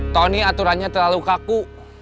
tony aturannya terlalu kaku